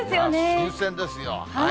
新鮮ですよね。